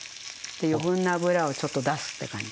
余分な脂をちょっと出すって感じ。